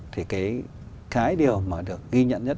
thì cái điều mà được ghi nhận nhất